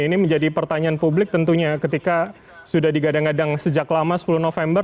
ini menjadi pertanyaan publik tentunya ketika sudah digadang gadang sejak lama sepuluh november